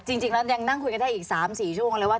จริงแล้วยังนั่งคุยกันได้อีก๓๔ช่วงเลยว่า